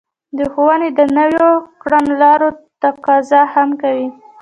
د ښوونې د نويو کړنلارو تقاضا هم کوي.